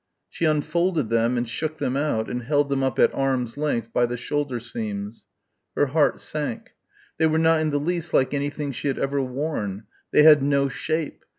She unfolded them and shook them out and held them up at arms' length by the shoulder seams. Her heart sank. They were not in the least like anything she had ever worn. They had no shape.